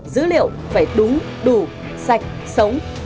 dữ liệu phải đúng đủ sạch sống